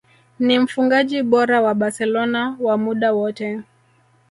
Ni mfungaji bora wa Barcelona wa muda wote